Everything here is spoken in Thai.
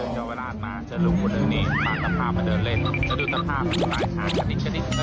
คุณที่นี่ที่ไหนรู้ไหม